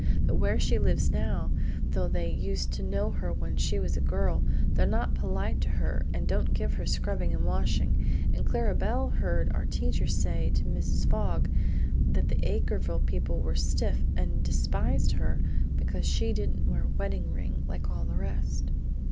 But where she lives now, though they used to know her when she was a girl, they're not polite to her and don't give her scrubbing and washing; and Clara belle heard our teacher say to Mrs. Fogg that the Acreville people were stiff, and despised her because she didn't wear a wedding ring, like all the rest.